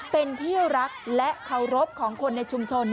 เป็นที่รักและเคารพของคนในชุมชน